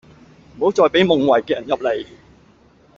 唔好再畀夢遺嘅人入嚟